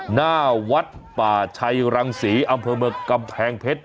หน้าวัดป่าชัยรังศรีอำเภอเมืองกำแพงเพชร